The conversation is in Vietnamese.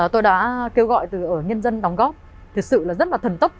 tôi đã kêu gọi từ nhân dân đóng góp thực sự là rất là thần tốc